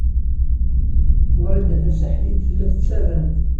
Wrida Tasaḥlit tella tettarra-d.